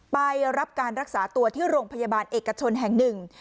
ไปรับการรักษาตัวที่โรงพยาบาลเอกชนแห่งหนึ่ง